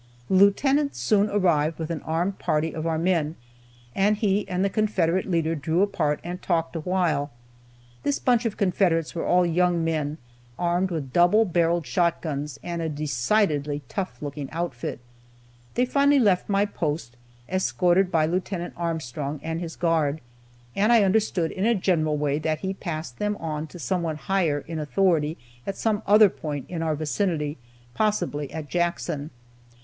The Lieutenant soon arrived with an armed party of our men, and he and the Confederate leader drew apart and talked awhile. This bunch of Confederates were all young men, armed with double barreled shot guns, and a decidedly tough looking outfit. They finally left my post, escorted by Lieut. Armstrong and his guard, and I understood in a general way that he passed them on to someone higher in authority at some other point in our vicinity, possibly at Jackson.